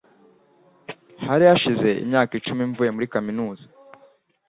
Hari hashize imyaka icumi mvuye muri kaminuza.